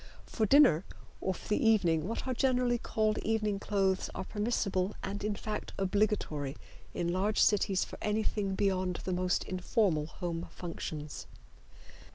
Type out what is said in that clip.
For dinner or for the evening what are generally called evening clothes are permissible, and in fact obligatory in large cities for anything beyond the most informal home functions.